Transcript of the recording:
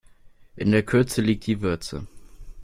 In der Kürze liegt die Würze.